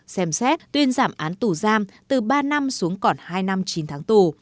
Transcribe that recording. xem xét tuyên giảm án tù giam từ ba năm xuống còn hai năm chín tháng tù